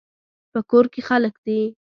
په کور کې خلک دي